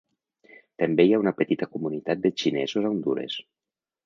També hi ha una petita comunitat de xinesos a Hondures.